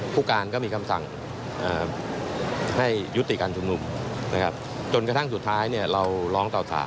ผู้การก็มีคำสั่งจนกระทั่งสุดท้ายเราล้องเต่าสาร